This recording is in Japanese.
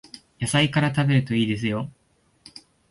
野菜から食べるといいですよ